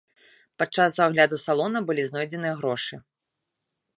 Падчас агляду салона былі знойдзеныя грошы.